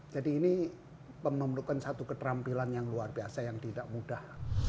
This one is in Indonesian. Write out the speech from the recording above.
jadi ini memerlukan satu keterampilan yang luar biasa yang tidak mudah